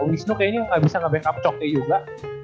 wisnu kayaknya gak bisa ngebackup cokke juga